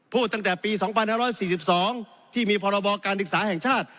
ตั้งแต่ปี๒๕๔๒ที่มีพรบการศึกษาแห่งชาติ